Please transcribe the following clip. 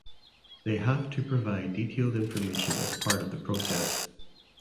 They have to provide detailed information as part of the process.